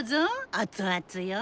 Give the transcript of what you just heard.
熱々よ。